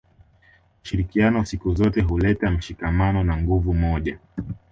ushirikiano siku zote huleta mshikamano na nguvu moja